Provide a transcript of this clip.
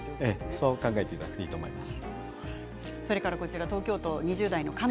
そう考えていただくといいと思います。